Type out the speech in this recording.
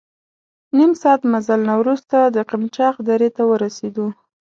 نیم ساعت مزل نه وروسته د قمچاق درې ته ورسېدو.